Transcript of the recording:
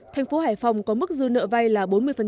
thành phố hải phòng có mức dư nợ vay là bốn mươi